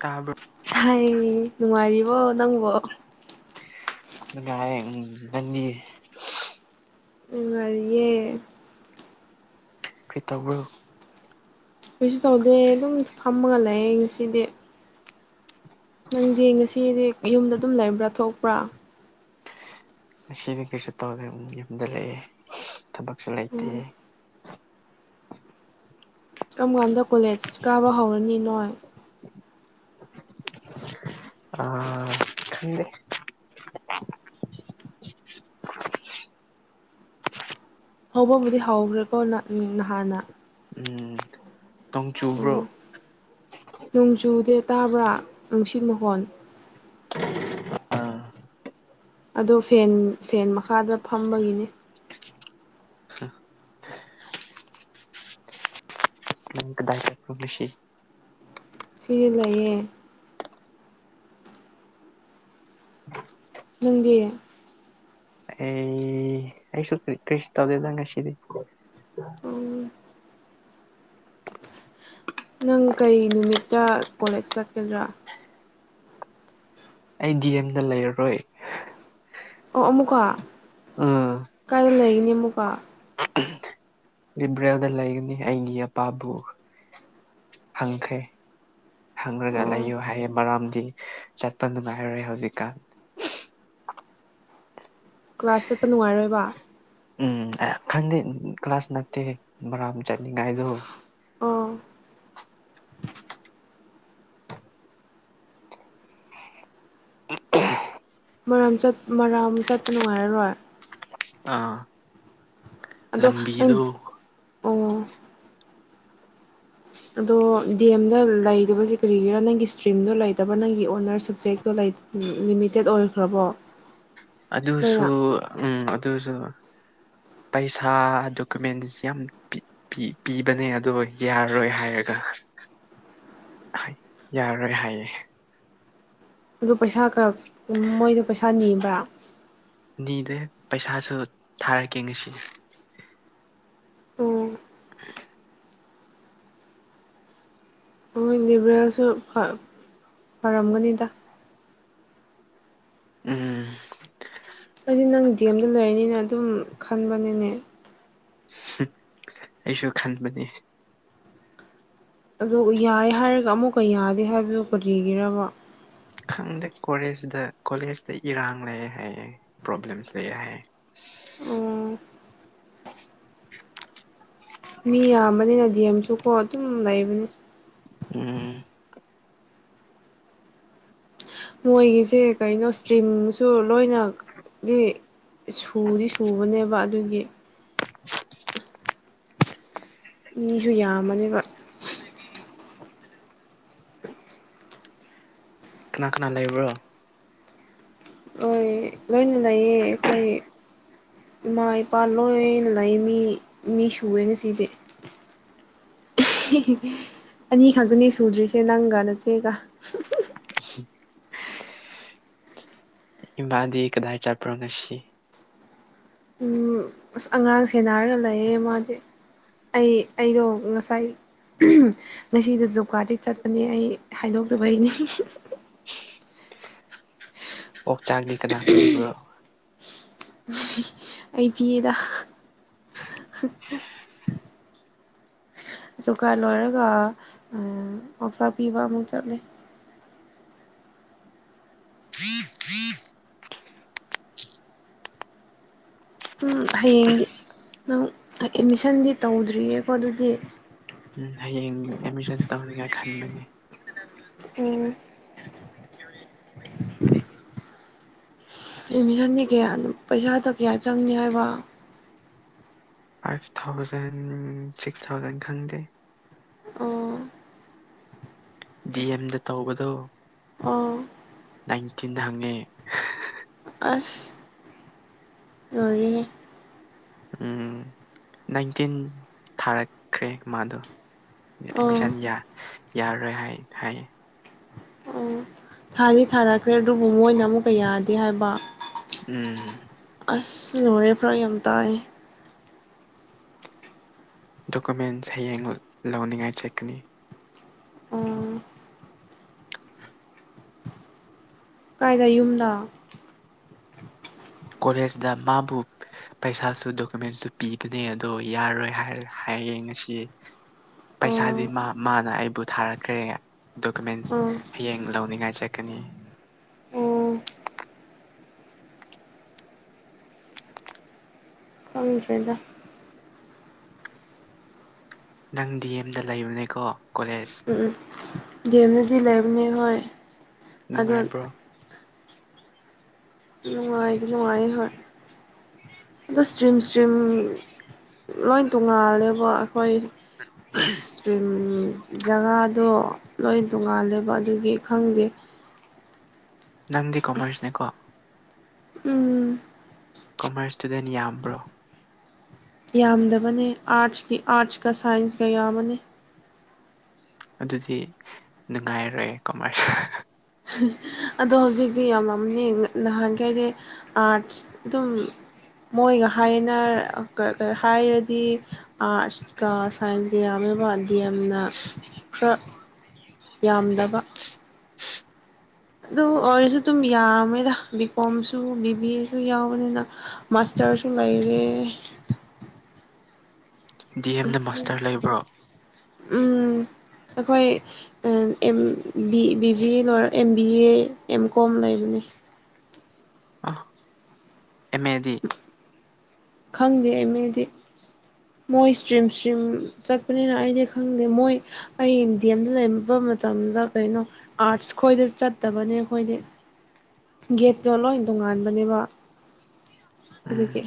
ꯇꯥꯕ꯭ꯔꯣ [unintelligible] ꯅꯨꯡꯉꯥꯏꯔꯤꯕꯣ ꯅꯪꯕꯣ [unintelligible] ꯎꯝ ꯅꯟꯗꯤ ꯅꯨꯉꯥꯔꯤꯌꯦ ꯐ꯭ꯔꯤꯇꯧꯕ꯭ꯔꯨ ꯀꯣꯏꯁꯨ ꯇꯧꯗꯦ ꯑꯗꯨꯝ ꯐꯝꯃꯒ ꯂꯩ ꯉꯁꯤꯗꯤ ꯅꯪꯗꯤ ꯉꯁꯤꯗꯤ ꯌꯨꯝꯗ ꯑꯗꯨꯝ ꯂꯩꯕ꯭ꯔꯥ ꯊꯣꯛꯄ꯭ꯔꯥ ꯑꯁꯤꯗꯤ ꯀꯔꯤꯁꯨ ꯇꯧꯗꯦ ꯌꯨꯝꯗ ꯂꯩꯑꯦ ꯊꯕꯛꯁꯨ ꯂꯩꯇꯦꯦ ꯎꯝ ꯀꯔꯝ ꯀꯥꯟꯗ ꯀꯣꯂꯦꯖ ꯀꯥꯕ ꯍꯧꯔꯅꯤ ꯅꯣꯏ ꯑ ꯈꯗꯦ ꯍꯧꯕꯕꯨꯗꯤ ꯍꯧꯈ꯭ꯔꯦꯀꯣ ꯅꯍꯥꯟꯅ ꯎꯝ ꯅꯣꯡ ꯆꯨꯕ꯭ꯔꯣ ꯑꯣ ꯅꯣꯡꯖꯨꯗꯦ ꯇꯥꯕ꯭ꯔꯥ ꯅꯨꯡꯁꯤꯠ ꯃꯈꯣꯟ ꯑꯥ ꯑꯗꯣ ꯐꯦꯟ ꯐꯦꯟ ꯃꯈꯥꯗ ꯐꯝꯕꯒꯤꯅꯤ [unintelligible] ꯁꯤ ꯂꯩꯌꯦ ꯅꯪꯒꯤ ꯑꯦ ꯑꯩꯁꯨꯔꯤ ꯀ꯭ꯔꯤꯁ ꯇꯧꯗꯦꯗ ꯉꯥꯁꯤ [unintelligible] ꯎꯝ ꯅꯪ ꯀꯩ ꯅꯨꯃꯤꯠꯇ ꯀꯣꯂꯦꯖ ꯆꯠꯀꯗ꯭ꯔꯥ ꯑꯩ ꯗꯤ ꯑꯦꯝꯗ ꯂꯩꯔꯔꯣꯏ ꯑꯣ ꯑꯃꯨꯛꯀ ꯀꯥꯏꯗ ꯂꯩꯔꯤꯅꯤ ꯑꯃꯨꯛꯀ ꯂꯤꯕ꯭ꯔꯌꯥꯗ ꯂꯩꯒꯅꯤ ꯑꯩꯒꯤ ꯑꯄꯥꯕꯨ ꯈꯪꯈ꯭ꯔꯦ ꯍꯪꯔꯒ ꯑꯣ ꯂꯩꯌꯨ ꯍꯥꯏꯌꯦꯦ ꯃꯔꯝꯗꯤ ꯆꯠꯄ ꯅꯨꯡꯉꯥꯏꯔꯣꯏ ꯍꯧꯖꯤꯛꯀꯥꯟ ꯀ꯭ꯂꯥꯁ ꯆꯠꯄ ꯅꯨꯡꯉꯥꯏꯔꯣꯏꯕ ꯎꯝ ꯈꯪꯗꯦ ꯀ꯭ꯂꯥꯁ ꯅꯠꯇꯦ ꯃꯔꯥ ꯆꯠꯅꯤꯡꯉꯥꯏꯗꯣ ꯑꯣ ꯃꯔꯥꯝ ꯆꯠ ꯃꯔꯥꯝ ꯆꯠꯄ ꯅꯨꯡꯉꯥꯏꯔꯔꯣꯏ ꯑꯥ ꯑꯗꯣ ꯅꯪ ꯂꯝꯕꯤꯗꯨꯣ ꯑꯣ ꯑꯗꯣ ꯗꯤ ꯑꯦꯝꯗ ꯂꯩꯁꯦ ꯀꯔꯤꯒꯤꯔꯥ ꯅꯪꯒꯤ ꯏꯁꯇ꯭ꯔꯤꯝꯗꯣ ꯂꯩꯇꯕ ꯅꯪꯒꯤ ꯑꯣꯅꯔꯁ ꯁꯞꯖꯦꯛꯇꯣ ꯂꯩ ꯂꯤꯃꯤꯇꯦꯠ ꯑꯣꯏꯈ꯭ꯔꯕꯣ ꯑꯗꯨꯁꯨ ꯂꯣꯏꯅ ꯎꯝ ꯑꯗꯨꯁꯨ ꯄꯩꯁꯥ ꯗꯣꯀꯨꯃꯦꯟꯁꯤ ꯌꯥꯝ ꯄꯤ ꯄꯤꯕꯅꯦ ꯑꯗꯣ ꯌꯥꯔꯔꯣꯏ ꯍꯥꯏꯔꯒ ꯌꯥꯔꯔꯣꯏ ꯍꯥꯏꯌꯦ ꯑꯗꯨ ꯄꯩꯁꯥ ꯈꯔ ꯃꯣꯏꯗꯣ ꯄꯩꯁꯥ ꯅꯤꯕ꯭ꯔꯥ ꯅꯤꯗꯦ ꯄꯩꯁꯥꯁꯨ ꯊꯥꯔꯛꯀꯦ ꯉꯁꯤ ꯑꯣꯝ ꯎ ꯃꯣꯏ ꯂꯤꯕꯔꯦꯜꯁꯨ ꯐꯔꯝꯒꯅꯤꯗ ꯎꯝ ꯑꯩꯗꯤ ꯅꯪ ꯗꯤ ꯑꯦꯝꯗ ꯂꯩꯔꯅꯤꯅ ꯑꯗꯨꯝ ꯈꯟꯕꯅꯤꯅꯦ ꯑꯩꯁꯨ ꯈꯟꯕꯅꯦ ꯑꯗ ꯌꯥꯏ ꯍꯥꯏꯔꯒ ꯑꯃꯨꯛꯀ ꯌꯥꯗꯦ ꯍꯥꯏꯕꯗꯨꯣ ꯀꯔꯤꯒꯔꯕ ꯈꯪꯗꯦ ꯀꯣꯂꯦꯖꯗ ꯀꯣꯂꯦꯖꯇ ꯏꯔꯥꯡ ꯂꯩꯦ ꯍꯥꯏꯌꯦꯦ ꯄ꯭ꯔꯣꯕ꯭ꯂꯦꯝꯁ ꯂꯩꯑꯦ ꯍꯥꯏꯌꯦꯦ ꯎ ꯑꯣ ꯃꯤ ꯌꯥꯝꯕꯅꯤꯅꯗꯤꯦꯝꯁꯨꯀꯣ ꯑꯗꯨꯝ ꯂꯩꯕꯅꯤ ꯎꯝ ꯃꯣꯏꯒꯤꯁꯦ ꯀꯩꯅꯣ ꯏꯁꯇ꯭ꯔꯤꯝꯁꯨ ꯂꯣꯏꯅꯗꯤ ꯁꯨꯗꯤ ꯁꯨꯕꯅꯦꯕ ꯑꯗꯨꯒꯤ ꯃꯤꯁꯨ ꯌꯥꯝꯃꯅꯦꯕ ꯀꯅꯥ ꯀꯅꯥ ꯂꯩꯕ꯭ꯔꯣ ꯂꯣꯏ ꯂꯣꯏꯅ ꯂꯩꯌꯦ ꯑꯩꯈꯣꯏ ꯏꯃꯥ ꯏꯄꯥ ꯂꯣꯏꯅ ꯂꯩ ꯃꯤ ꯃꯤ ꯁꯨꯑꯦꯅ ꯁꯤꯁꯦ ꯑꯅꯤ ꯈꯛꯇꯅꯦ ꯁꯨꯗ꯭ꯔꯤꯁꯦ ꯅꯪꯒ ꯅꯆꯦꯒ [unintelligible] ꯏꯕꯥꯗꯤ ꯀꯗꯥ ꯆꯄꯔꯣꯅꯁꯤ ꯎꯝ ꯑꯁ ꯑꯉꯥꯡ ꯁꯦꯟꯅꯔꯒ ꯂꯩꯌꯦ ꯃꯥꯗꯤ ꯑꯩ ꯑꯩꯗꯣ ꯉꯁꯥꯏ ꯉꯁꯤꯗ ꯖꯨꯀꯥꯔꯗꯤ ꯆꯠꯄꯅꯦ ꯑꯩ ꯍꯥꯏꯗꯣꯛꯇꯕꯩꯅꯤ ꯎ ꯑꯣꯛꯆꯥꯛꯗꯤ ꯀꯅꯥ ꯀꯤꯕ꯭ꯔꯣ ꯑꯩꯕꯤꯗ ꯑꯨ ꯈꯔ ꯂꯣꯏꯔꯒ ꯉꯥꯎꯆꯥꯛ ꯄꯤꯕ ꯑꯃꯨꯛ ꯆꯠꯂꯦ ꯎ ꯍꯌꯦꯡꯗꯤ ꯅꯪ ꯑꯦꯠꯃꯤꯁꯟꯗꯤ ꯇꯧꯗ꯭ꯔꯤꯌꯦꯀꯣ ꯑꯗꯨꯗꯤ ꯎꯝ ꯍꯌꯦꯡ ꯑꯦꯗꯃꯤꯁꯟ ꯇꯧꯅꯤꯡꯉꯥꯏ ꯈꯟꯕꯅꯦ ꯎꯝ ꯑꯦꯠꯃꯤꯁꯟꯗꯤ ꯀꯌꯥ ꯄꯩꯁꯥꯗ ꯀꯌꯥ ꯆꯪꯅꯤ ꯍꯥꯏꯕ ꯐꯥꯏꯚ ꯊꯥꯎꯖꯟ ꯁꯤꯛꯁ ꯊꯥꯎꯖꯟ ꯈꯪꯗꯦ ꯑꯣ ꯗꯤ ꯑꯦꯝꯗ ꯇꯧꯕꯗꯣ ꯑꯣ ꯅꯥꯏꯟꯇꯤꯟꯗ ꯍꯪꯉꯦ ꯑꯁ ꯌꯔꯤ ꯎꯝ ꯅꯥꯏꯟꯇꯤꯟ ꯊꯥꯔꯛꯈ꯭ꯔꯦ ꯃꯥꯗꯣ ꯑꯣ ꯑꯦꯗꯃꯤꯁꯟ ꯌꯥꯔꯔꯣꯏ ꯍꯥꯏ ꯍꯥꯏꯌꯦ ꯑꯣ ꯊꯥꯗꯤ ꯊꯥꯔꯛꯈ꯭ꯔꯦ ꯑꯗꯨꯕꯨ ꯃꯣꯏꯅ ꯑꯃꯨꯛꯀ ꯌꯥꯗꯦ ꯍꯥꯏꯕ ꯎꯝ ꯑꯁ ꯂꯉꯔꯦ ꯐꯔꯥ ꯌꯥꯝ ꯇꯥꯏ ꯗꯣꯀꯨꯃꯦꯟꯁ ꯍꯌꯦꯡ ꯂꯧꯅꯤꯡꯉꯥꯏ ꯆꯠꯀꯅꯤ ꯎ ꯀꯥꯏꯗ ꯌꯨꯝꯗ ꯀꯣꯂꯦꯖꯇ ꯃꯥꯕꯨ ꯄꯩꯁꯥꯁꯨ ꯗꯣꯀꯨꯃꯦꯟꯁꯁꯨꯨ ꯄꯤꯕꯅꯦ ꯑꯗꯣ ꯌꯥꯔꯣꯏ ꯍꯥꯏꯌꯦꯦ ꯉꯁꯤ ꯄꯩꯁꯥꯗꯤ ꯑꯣ ꯃꯥ ꯃꯥꯅ ꯑꯩꯕꯨ ꯊꯥꯔꯛꯈ꯭ꯔꯦ ꯗꯣꯀꯨꯃꯦꯟꯁ ꯑꯣ ꯍꯌꯦꯡ ꯂꯧꯅꯤꯡꯉꯥꯏ ꯆꯠꯀꯅꯤ ꯑꯣ ꯑꯗꯨꯝꯗꯣꯏꯗ ꯅꯪ ꯗꯤ ꯑꯦꯝꯗ ꯂꯩꯕꯅꯦꯀꯣ ꯀꯣꯂꯦꯖ ꯎꯝ ꯒꯦꯝꯗꯗꯤ ꯂꯩꯕꯅꯦ ꯍꯣꯏ ꯑꯗꯣ ꯅꯨꯡꯉꯥꯏꯕ꯭ꯔꯣ ꯅꯨꯡꯉꯥꯏꯗꯤ ꯅꯨꯡꯉꯥꯏ ꯍꯣꯏ ꯑꯗꯣ ꯏꯁꯇ꯭ꯔꯤꯝ ꯏꯁꯇ꯭ꯔꯤꯝ ꯂꯣꯏ ꯇꯣꯡꯉꯥꯜꯂꯦꯕ ꯑꯩꯈꯣꯏ ꯎ ꯏꯁꯇ꯭ꯔꯤꯝ ꯖꯒꯥꯗꯣ ꯂꯣꯏ ꯇꯣꯡꯉꯥꯜꯂꯦꯕ ꯑꯗꯨꯒꯤ ꯈꯪꯗꯦ ꯅꯪꯗꯤ ꯀꯣꯃꯔꯁꯅꯦꯀꯣ ꯎꯝ ꯀꯣꯃꯔꯁ ꯏꯁꯇꯨꯗꯦꯟ ꯌꯥꯝꯕ꯭ꯔꯣ ꯌꯥꯝꯗꯕꯅꯦ ꯑꯥꯔꯠꯁꯀꯤ ꯑꯥꯔꯠꯁꯀ ꯁꯥꯏꯟꯁꯀ ꯌꯥꯝꯕꯅꯦ ꯑꯗꯨꯗꯤ ꯅꯨꯡꯉꯥꯏꯔꯔꯣꯏ ꯀꯃꯥꯏꯁ ꯑꯗꯣ ꯍꯧꯖꯤꯛꯇꯤ ꯌꯥꯝ ꯌꯥꯝꯅꯤ ꯅꯍꯥꯟꯒꯩ ꯍꯥꯏꯗꯤ ꯑꯥꯠꯁ ꯑꯗꯨꯝ ꯃꯣꯏꯒ ꯍꯥꯏꯅ ꯍꯥꯏꯔꯗꯤ ꯑꯥ ꯀꯥ ꯁꯥꯏꯖꯀ ꯌꯥꯝꯃꯦꯕ ꯗꯤ ꯑꯦꯝꯅ ꯈꯔ ꯌꯥꯝꯗꯕ ꯑꯗꯨ ꯑꯣꯏꯔꯁꯨ ꯑꯗꯨꯝ ꯌꯥꯝꯃꯦꯗ ꯕꯤ ꯀꯣꯝꯁꯨ ꯕꯤ ꯕꯤ ꯑꯦꯁꯨ ꯌꯥꯎꯕꯅꯤꯅ ꯃꯥꯁꯇꯔꯁꯤ ꯂꯩꯔꯦ ꯗꯤ ꯑꯦꯝꯗ ꯃꯥꯁꯇꯔ ꯂꯩꯕ꯭ꯔꯣ ꯎꯝ ꯑꯩꯈꯣꯏ ꯕꯤ ꯕꯤ ꯂꯣꯏꯔ M B A M Com ꯂꯩꯕꯅꯦ ꯑꯂ ꯑꯦꯃꯦꯗꯤ ꯈꯪꯗꯦ ꯑꯦꯃꯦꯗꯤ ꯃꯣꯏ ꯏꯁꯇ꯭ꯔꯤꯝ ꯏꯁꯇ꯭ꯔꯤꯝ ꯆꯠꯄꯅꯤꯅ ꯑꯩꯗꯤ ꯈꯪꯗꯦ ꯃꯣꯏ ꯑꯩ ꯏꯟꯗꯤ ꯑꯦꯝꯗ ꯂꯩꯔꯝꯕ ꯃꯇꯝꯗ ꯀꯩꯅꯣ ꯑꯥꯔꯠꯁ ꯈꯣꯏꯗ ꯆꯠꯇꯕꯅꯦ ꯑꯩꯈꯣꯏꯗꯤ ꯒꯦꯠꯇꯣ ꯂꯣꯏ ꯇꯣꯉꯥꯟꯕꯅꯦꯕ ꯎꯝ ꯑꯗꯨꯒꯤ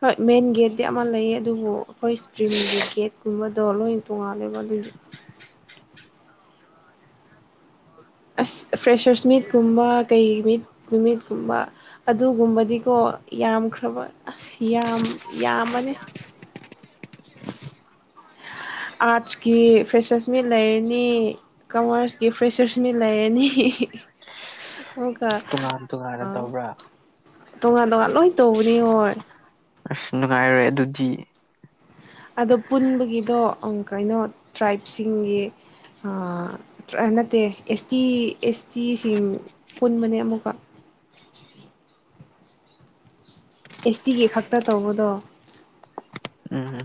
ꯍꯣꯏ ꯃꯦꯟ ꯒꯦꯠꯇꯤ ꯑꯃ ꯂꯩꯌꯦ ꯑꯗꯨꯕꯨ ꯑꯩꯈꯣꯏ ꯏꯁꯇ꯭ꯔꯤꯝꯒꯤ ꯒꯦꯠꯀꯨꯝꯕꯗꯣ ꯂꯣꯏ ꯇꯣꯡꯉꯥꯜꯂꯦꯕ ꯑꯗꯨꯒꯤ ꯑꯁ ꯐ꯭ꯔꯦꯁꯔꯁ ꯃꯤꯠꯀꯨꯝꯕ ꯀꯩ ꯃꯤꯠ ꯅꯨꯃꯤꯠꯀꯨꯝꯕ ꯑꯗꯨꯒꯨꯝꯕꯗꯤꯀꯣ ꯌꯥꯝꯈ꯭ꯔꯕ ꯑꯁ ꯌꯥꯝ ꯌꯥꯝꯃꯅꯤ ꯑꯥꯔꯠꯁꯀꯤ ꯐ꯭ꯔꯦꯁꯁꯃꯤ ꯂꯩꯔꯅꯤ ꯀꯃꯔꯁꯀꯤ ꯐ꯭ꯔꯦꯁꯔꯁ ꯃꯤ ꯂꯩꯔꯅꯤ ꯇꯣꯉꯥꯟ ꯇꯣꯉꯥꯟꯅ ꯑꯣ ꯇꯧꯕ꯭ꯔꯥ ꯇꯣꯉꯥꯟ ꯇꯣꯉꯥꯟ ꯂꯣꯏ ꯇꯧꯕꯅꯤ ꯍꯣꯏ ꯑꯁ ꯅꯨꯡꯉꯥꯏꯔꯦ ꯑꯗꯨꯗꯤ ꯑꯗꯣ ꯄꯨꯟꯕꯒꯤꯗꯣ ꯀꯩꯅꯣ ꯇ꯭ꯔꯥꯏꯕꯁꯤꯡꯒꯤ ꯅꯠꯇꯦ ꯑꯦꯁ ꯇꯤ ꯑꯦꯁ ꯇꯤꯁꯤꯡ ꯄꯨꯟꯕꯅꯦ ꯑꯃꯨꯛꯀ ꯑꯦꯁ ꯇꯤꯒꯤ ꯈꯛꯇ ꯇꯧꯕꯗꯣ ꯎꯝ ꯎꯝ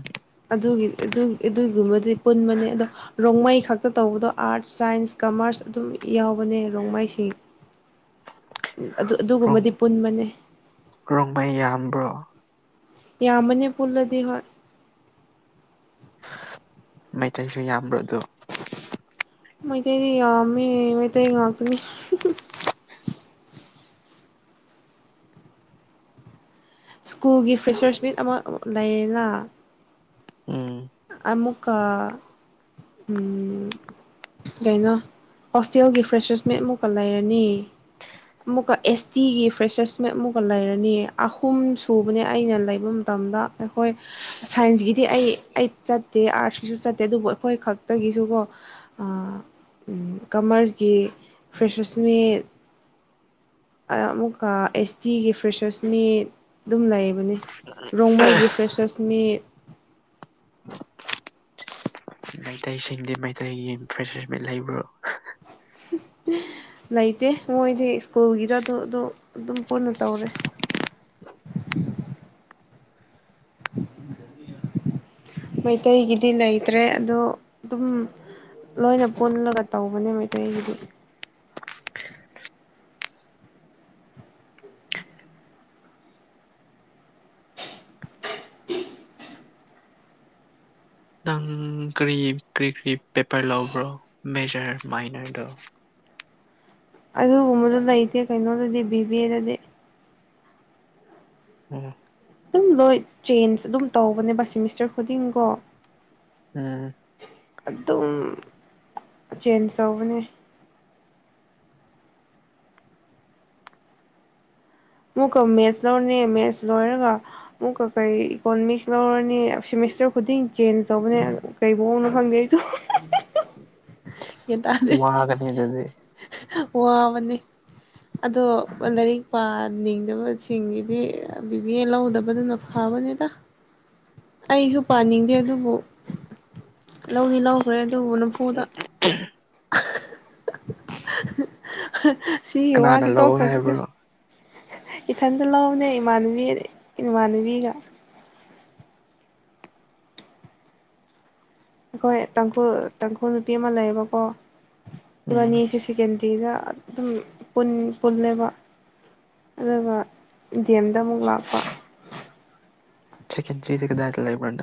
ꯑꯗꯨꯒꯤ ꯑꯗꯨ ꯑꯗꯨꯒꯤꯒꯨꯝꯕꯗꯤ ꯄꯨꯟꯕꯅꯦ ꯑꯗꯣ ꯔꯣꯡꯃꯩ ꯈꯛꯇ ꯇꯧꯕꯗꯣ ꯑꯥꯔꯠꯁ ꯁꯥꯏꯟꯁ ꯀꯃꯔꯁ ꯑꯗꯨꯝ ꯌꯥꯎꯕꯅꯦ ꯔꯣꯡꯃꯩꯁꯤꯡ [inaudible] ꯑꯗꯨ ꯑꯗꯨꯒꯨꯝꯕꯗꯤ ꯄꯨꯟꯕꯅꯦ ꯔꯣꯡꯕ ꯌꯥꯝꯕ꯭ꯔꯣ ꯌꯥꯝꯕꯅꯦ ꯄꯨꯜꯂꯗꯤ ꯍꯣꯏ ꯃꯩꯇꯩꯁꯨ ꯌꯥꯝꯕ꯭ꯔꯣ ꯑꯗꯣ ꯃꯩꯇꯩꯗꯤ ꯌꯥꯝꯃꯦ ꯃꯩꯇꯩ ꯉꯥꯛꯇꯅꯤ ꯁ꯭ꯀꯨꯜꯒꯤ ꯐ꯭ꯔꯦꯁꯔꯁ ꯃꯤꯠ ꯑꯃ ꯂꯩꯔꯅ ꯎꯝ ꯑꯃ ꯑꯃꯨꯀ ꯀꯩꯅꯣ ꯍꯣꯁꯇꯦꯜꯒꯤ ꯐ꯭ꯔꯦꯁꯦꯁ ꯃꯠꯃꯨꯛꯀ ꯂꯩꯔꯅꯤ ꯑꯃꯨꯛꯀ ꯑꯦꯁ ꯇꯤꯒꯤ ꯐ꯭ꯔꯦꯁꯔꯁ ꯃ ꯑꯃꯨꯛꯀ ꯂꯩꯔꯅꯤ ꯑꯍꯨꯝ ꯁꯨꯕꯅꯦ ꯑꯩꯅ ꯂꯩꯕ ꯃꯇꯝꯗ ꯑꯩꯈꯣꯏ ꯁꯥꯏꯟꯁꯀꯤꯗꯤ ꯑꯩ ꯑꯩꯠ ꯆꯠꯇꯦ ꯑꯥꯔꯠꯁꯀꯤꯁꯨ ꯆꯠꯇꯦ ꯑꯗꯨꯕꯨ ꯑꯩꯈꯣꯏ ꯈꯛꯇꯒꯤꯁꯨꯀꯣ ꯀꯃꯔꯁꯀꯤ ꯐ꯭ꯔꯦꯁꯣꯁꯃꯤ ꯑꯃꯨꯛꯀ ꯑꯦꯁ ꯇꯤꯒꯤ ꯐ꯭ꯔꯦꯁꯔꯁ ꯃꯤ ꯑꯗꯨꯝ ꯂꯩꯕꯅꯤ ꯔꯣꯡꯃꯩꯒꯤ ꯐ꯭ꯔꯦꯁꯔꯁ ꯃꯤꯠ ꯃꯩꯇꯩꯁꯤꯡꯗꯤ ꯃꯩꯇꯩꯒꯤ ꯐ꯭ꯔꯦꯁ ꯂꯩꯕ꯭ꯔꯣ ꯂꯩꯇꯦ ꯃꯣꯏꯗꯤ ꯁ꯭ꯀꯨꯜꯒꯤꯗ ꯑꯗꯨ ꯑꯗꯨ ꯑꯗꯨꯝ ꯄꯨꯟꯅ ꯇꯧꯔꯦ ꯇꯥꯗꯦ ꯑꯃꯇꯥ [inaudible] ꯃꯩꯇꯩꯒꯤꯗꯤ ꯂꯩꯇ꯭ꯔꯦ ꯑꯗꯣ ꯑꯗꯨꯝ ꯂꯣꯏꯅ ꯄꯨꯜꯂꯒ ꯇꯧꯕꯅꯦ ꯃꯩꯇꯩꯒꯤꯗꯤ ꯅꯪ ꯀ꯭ꯔꯤ ꯀ꯭ꯔꯤ ꯀ꯭ꯔꯤ ꯄꯦꯄꯔ ꯂꯧꯕ꯭ꯔꯣ ꯃꯦꯖꯔ ꯃꯥꯏꯅꯔꯗꯣ ꯑꯗꯨꯒꯨꯝꯕꯗꯣ ꯂꯩꯇꯦ ꯀꯩꯅꯣꯗꯗꯤ ꯕꯤꯕꯤ ꯑꯦꯗꯗꯤ ꯎꯝ ꯑꯗꯨꯝ ꯂꯣꯏ ꯆꯦꯟꯖ ꯑꯗꯨꯝ ꯇꯧꯕꯅꯦꯕ ꯁꯦꯃꯤꯁꯇꯔ ꯈꯨꯗꯤꯡꯀꯣ ꯎꯝ ꯑꯗꯨꯝ ꯆꯦꯟꯖ ꯇꯧꯕꯅꯦ ꯃꯨꯛꯀ ꯃꯦꯠꯁ ꯂꯧꯔꯅꯤ ꯃꯦꯠꯁ ꯂꯣꯏꯔꯒ ꯑꯃꯨꯛꯀ ꯀꯩ ꯏꯀꯣꯅꯣꯃꯤꯛꯁ ꯂꯧꯔꯅꯤ ꯁꯦꯃꯤꯁꯇꯔ ꯈꯨꯗꯤꯡ ꯆꯦꯟꯖ ꯇꯧꯕꯅꯦ ꯀꯩꯕꯅꯣ ꯈꯪꯗꯦ ꯑꯩꯁꯨ ꯋꯥꯒꯅꯤ ꯗꯗꯤ ꯋꯥ ꯑꯃꯅꯤꯅꯤ ꯑꯗꯣ ꯂꯥꯏꯔꯤꯛ ꯄꯥꯅꯤꯡꯗꯕꯁꯤꯡꯒꯤꯗꯤ ꯕꯤꯗꯤ ꯂꯧꯗꯕꯗꯨꯅ ꯍꯥꯎꯕꯖꯤꯗ ꯇꯥꯗꯦ [inaudible] ꯑꯩꯁꯨ ꯄꯥꯅꯤꯡꯗꯦ ꯑꯗꯨꯕꯨ ꯂꯧꯗꯤ ꯂꯧꯈ꯭ꯔꯦ ꯑꯗꯨꯕꯨ ꯅꯝꯐꯨꯗ ꯑ ꯁꯤ ꯀꯅꯥꯅ ꯋꯥꯁꯤ ꯂꯧ ꯇꯣꯛꯈ꯭ꯔꯁꯤꯗ ꯍꯥꯏꯕ꯭ꯔꯣ ꯏꯊꯟꯗ ꯂꯅꯦ ꯏꯃꯥꯟꯅꯕꯤ ꯏꯃꯥꯟꯅꯕꯤꯒ ꯑꯩꯈꯣꯏ ꯇꯥꯡꯈꯨꯜ ꯇꯥꯡꯈꯨꯜ ꯅꯨꯄꯤ ꯑꯃ ꯂꯩꯌꯦꯕꯀꯣ ꯎꯝ ꯏꯕꯥꯅꯤꯁꯦ ꯁꯦꯀꯦꯟꯗꯔꯤꯗ ꯑꯗꯨꯝ ꯄꯨꯜꯂꯦꯕ ꯑꯗꯨꯒ ꯗꯤ ꯑꯦꯝꯗ ꯑꯃꯨꯛ ꯂꯥꯛꯄ ꯆꯦꯀꯦꯟ ꯊ꯭ꯔꯤ ꯂ ꯂꯩꯥꯏꯕꯪ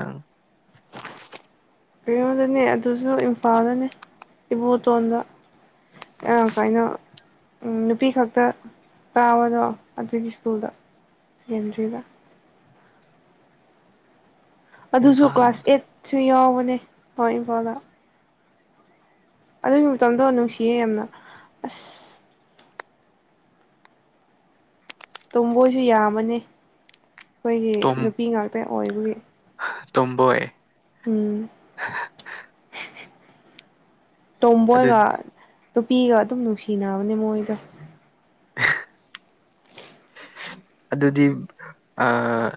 ꯀꯩꯅꯣꯗꯅꯦ ꯑꯗꯨꯁꯨ ꯏꯝꯐꯥꯜꯗꯅꯦ ꯏꯕꯣꯇꯣꯟꯗ ꯑ ꯀꯥꯏꯩꯅꯣ ꯅꯨꯄꯤ ꯈꯛꯇ ꯇꯥꯕꯗꯣ ꯑꯗꯨꯒꯤ ꯁ꯭ꯀꯨꯜꯗ ꯁꯦꯀꯦꯟꯗ꯭ꯔꯤꯗ ꯑꯗꯨꯁꯨ ꯏꯝꯐꯥꯜ ꯀ꯭ꯂꯥꯁ ꯑꯦꯠꯁꯨ ꯌꯥꯎꯕꯅꯦ ꯍꯣꯏ ꯏꯝꯐꯥꯜꯗ ꯑꯗꯨꯒꯤ ꯃꯇꯝꯗꯣ ꯅꯨꯡꯁꯤꯌꯦ ꯌꯥꯝꯅ ꯑꯁ ꯇꯨꯝꯕꯣꯏꯁꯨ ꯌꯥꯝꯃꯅꯤ ꯑꯩꯈꯣꯏꯒꯤ ꯅꯨꯄꯤ ꯉꯥꯛꯇ ꯑꯣꯏꯕꯒꯤ ꯇꯝꯕꯣꯏꯦ ꯎꯝ ꯑꯗꯨ ꯇꯝꯕꯣꯏꯒꯥꯟ ꯅꯨꯄꯤꯒ ꯑꯗꯨꯝ ꯅꯨꯡꯁꯤꯅꯕꯅꯦ ꯃꯣꯏꯒ ꯑꯗꯨꯗꯤ ꯑꯥ꯫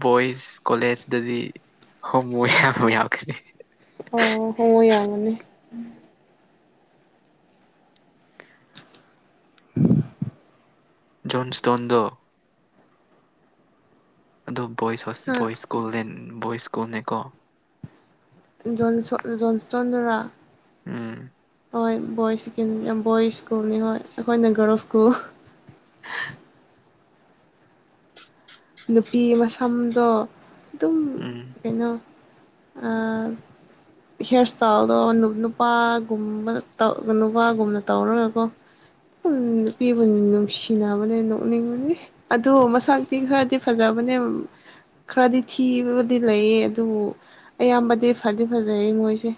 ꯕꯣꯏꯁ ꯀꯣꯂꯦꯖꯇꯗꯤ ꯍꯣꯃꯣ ꯌꯥꯝ ꯌꯥꯎꯈꯤꯅꯤ ꯑꯣ ꯍꯣꯡꯉꯣ ꯌꯥꯝꯒꯅꯤ꯫ ꯖꯣꯟꯁꯇꯣꯟꯗꯣ꯫ ꯑꯗꯨ ꯕꯣꯏꯁ ꯍꯣꯁ ꯍꯥ ꯕꯣꯏꯁ ꯁ꯭ꯀꯨꯜ ꯕꯣꯏꯁ ꯁ꯭ꯀꯨꯜꯅꯦꯀꯣ꯫ ꯖꯣꯟꯁꯣꯠ ꯖꯣꯟꯁꯇꯣꯟꯗꯔꯥ꯫ ꯎꯝ꯫ ꯍꯣꯏ ꯕꯣꯏꯁ ꯕꯣꯏꯁ ꯁ꯭ꯀꯨꯜꯅꯤ ꯍꯣꯏ ꯑꯩꯈꯣꯏꯅ ꯒꯥꯔꯜꯁ ꯁ꯭ꯀꯨꯜ ꯅꯨꯄꯤ ꯃꯁꯝꯗꯣ ꯑꯗꯨꯝ ꯎꯝ ꯀꯩꯅꯣ ꯍꯤꯌꯥꯔ ꯏꯁꯇꯥꯏꯜꯗꯣ ꯅꯨꯄꯥꯒꯨꯝꯕ ꯅꯨꯄꯥꯒꯨꯝꯅ ꯇꯧꯔꯣꯏꯀꯣ ꯎ ꯅꯨꯄꯤꯕꯨ ꯅꯨꯡꯁꯤꯅꯕꯅꯦ ꯅꯣꯛꯅꯤꯡꯕꯅꯤ ꯑꯗꯨꯗꯣ ꯃꯁꯛꯇꯤ ꯈꯔꯗꯤ ꯐꯖꯕꯅꯦ ꯈꯔꯗꯤ ꯊꯤꯕꯕꯨꯗꯤ ꯂꯩꯌꯦ ꯑꯗꯨꯕꯨ ꯑꯌꯥꯝꯕꯗꯤ ꯐꯗꯤ ꯐꯖꯩ ꯃꯣꯏꯁꯦ